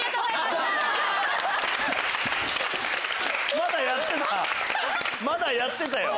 まだやってたよ。